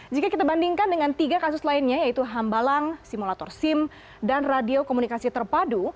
jika kita bandingkan dengan tiga kasus lainnya yaitu hambalang simulator sim dan radio komunikasi terpadu